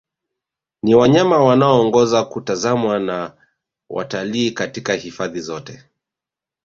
Ni wanyama wanaoongoza kutazamwa na watalii katika hifadhi zote